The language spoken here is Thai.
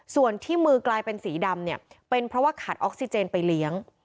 ส่วนที่มือกลายเป็นสีดำเนี่ยเป็นเพราะว่าขาดออกซิเจนไปเลี้ยง